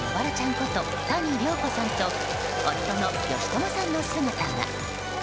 こと谷亮子さんと夫の佳知さんの姿が。